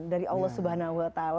dari allah swt